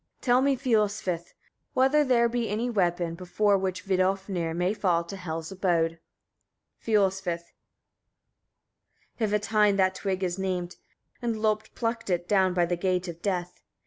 26. Tell me, Fiolsvith! etc., whether there be any weapon, before which Vidofnir may fall to Hel's abode? Fiolsvith. 27. Hævatein the twig is named, and Lopt plucked it, down by the gate of Death.